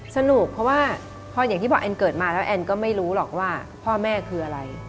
สนุกเพราะว่าพออย่างที่บอกแอนเกิดมาแล้วแอนก็ไม่รู้หรอกว่าพ่อแม่คืออะไร